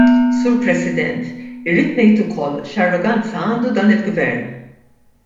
Sur President, irrid ngħid ukoll x'arroganza għandu dan il-Gvern.